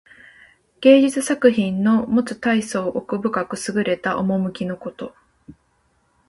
芸術作品のもつたいそう奥深くすぐれた趣のこと。